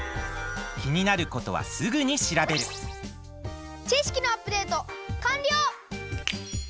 きになることはすぐにしらべるちしきのアップデートかんりょう！